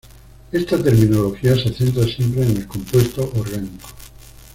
Esta terminología se centra siempre en el compuesto orgánico.